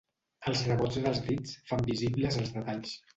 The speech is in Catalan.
Els rebots dels dits fan visibles els detalls.